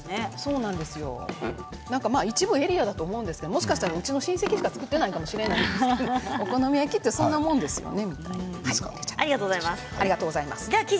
一部エリアだと思うんですけどもしかしたらうちの親戚しか作っていないかもしれないんですけどお好み焼きってそんなもんですよね。